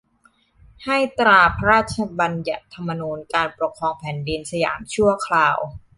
ให้ตราพระราชบัญญัติธรรมนูญการปกครองแผ่นดินสยามชั่วคราว